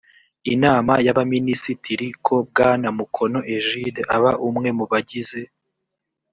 inama y abaminisitiri ko bwana mukono egide aba umwe mu bagize